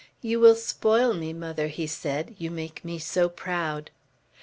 "You will spoil me, mother," he said, "you make me so proud."